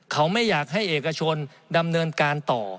เขาไม่อยากให้เอกชนดำเนินการต่อ